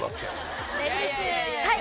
はい！